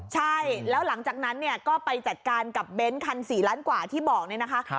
ใช่แล้วหลังจากนั้นก็ไปจัดการกับเบ้นท์คัน๔ล้านกว่าที่บอก